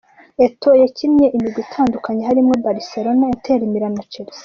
Eto'o yakiniye imigwi itandukanye harimwo Barcelona, Inter Milan na Chelsea.